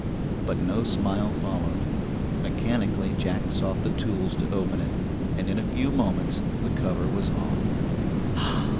But no smile followed. Mechanically Jack sought the tools to open it, and in a few moments the cover was off.